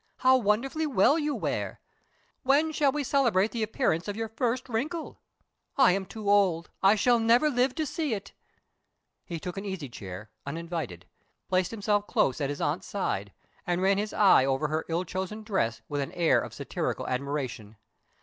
How wonderfully well you wear! When shall we celebrate the appearance of your first wrinkle? I am too old; I shall never live to see it." He took an easychair, uninvited; placed himself close at his aunt's side, and ran his eye over her ill chosen dress with an air of satirical admiration.